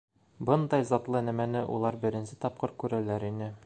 Бындай затлы нәмәне улар беренсе тапҡыр күрәләр ине.